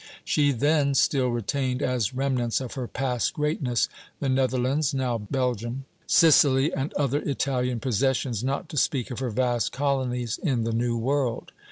She then still retained, as remnants of her past greatness, the Netherlands (now Belgium), Sicily, and other Italian possessions, not to speak of her vast colonies in the New World.